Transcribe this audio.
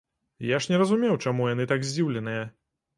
Я ж не разумеў, чаму яны так здзіўленыя.